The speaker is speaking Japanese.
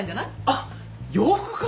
あっ洋服か。